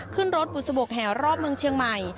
ขึ้นรถบุษบกแห่รอบเมืองเชียงใหม่